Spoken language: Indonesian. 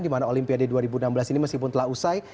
di mana olimpiade dua ribu enam belas ini meskipun telah usai